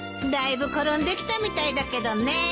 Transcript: だいぶ転んできたみたいだけどね。